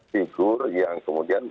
figur yang kemudian